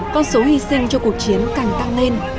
con số hy sinh cho cuộc chiến càng tăng lên